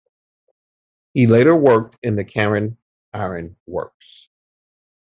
He later worked in the Carron Iron Works.